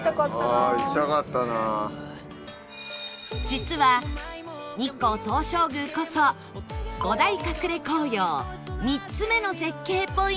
実は日光東照宮こそ５大隠れ紅葉３つ目の絶景ポイント